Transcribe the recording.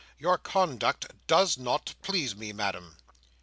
Your conduct does not please me, Madam."